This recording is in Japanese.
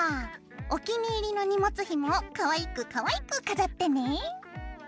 お気に入りの荷物ひもをかわいくかわいく飾ってね。